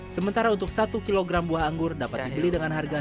sementara untuk satu kg buah anggur dapat dibeli dengan harga rp seratus